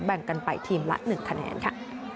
แบ่งกันไปทีมละ๑คะแนนค่ะ